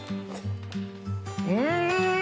うん！